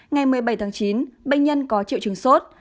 ngày một mươi bảy tháng chín bệnh nhân có triệu chứng sốt